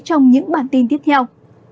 trong những bản tin tiếp theo